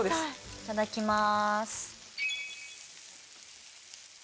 いただきます。